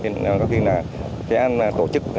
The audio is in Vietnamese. nên có khi là sẽ tổ chức